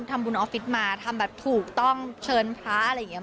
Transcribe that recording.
ทำบุญออฟฟิศมาถูกต้องเชิญพระอะไรอย่างเงี้ย